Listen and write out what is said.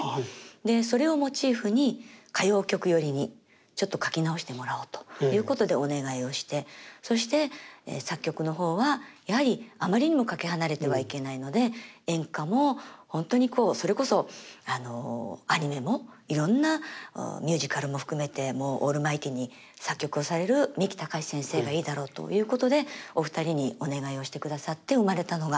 でそれをモチーフに歌謡曲寄りにちょっと書き直してもらおうということでお願いをしてそして作曲の方はやはりあまりにもかけ離れてはいけないので演歌も本当にこうそれこそアニメもいろんなミュージカルも含めてもうオールマイティーに作曲をされる三木たかし先生がいいだろうということでお二人にお願いをしてくださって生まれたのがあの曲なんですけども。